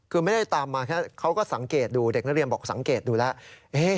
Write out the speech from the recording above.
คือไม่ได้ตามมาแค่เขาก็สังเกตดูเด็กนักเรียนบอกสังเกตดูแล้ว